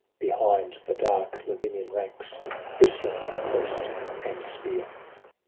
Behind the dark Lavinian ranks. Bristling with crest and spear.